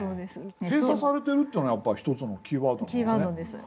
閉鎖されてるというのがやっぱり一つのキーワードなんですね。